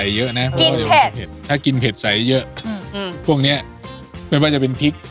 เข้านี้นะนี่พริกเปล่าเชฟพริก